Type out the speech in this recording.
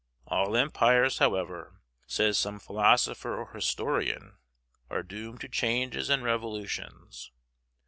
All empires, however, says some philosopher or historian, are doomed to changes and revolutions.